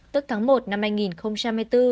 tức tháng một năm hai nghìn một mươi bốn